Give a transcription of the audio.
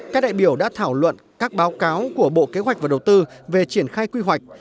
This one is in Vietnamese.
các đại biểu đã thảo luận các báo cáo của bộ kế hoạch và đầu tư về triển khai quy hoạch